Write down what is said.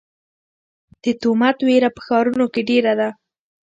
د تومت وېره په ښارونو کې ډېره ده.